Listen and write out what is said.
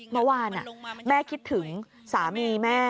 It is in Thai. เมื่อวานแม่คิดถึงสามีแม่